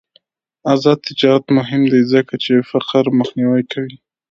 آزاد تجارت مهم دی ځکه چې فقر مخنیوی کوي.